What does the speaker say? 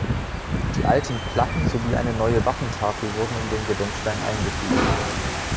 Die alten Platten, sowie eine neue Wappentafel wurden in den Gedenkstein eingefügt.